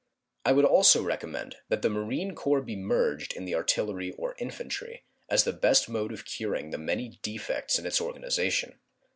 I would also recommend that the Marine Corps be merged in the artillery or infantry, as the best mode of curing the many defects in its organization.